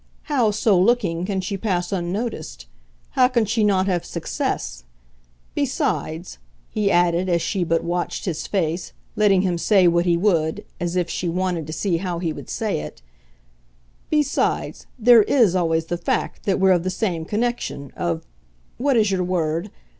How, so looking, can she pass unnoticed? How can she not have 'success'? Besides," he added as she but watched his face, letting him say what he would, as if she wanted to see how he would say it, "besides, there IS always the fact that we're of the same connection, of what is your word?